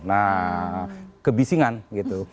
nah kebisingan gitu